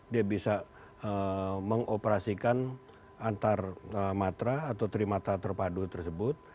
dia bisa mengoperasikan antarmatra atau trimatra terpadu tersebut